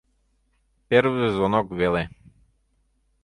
Первый звонок веле.